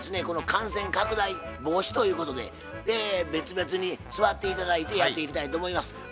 この感染拡大防止ということで別々に座って頂いてやっていきたいと思います。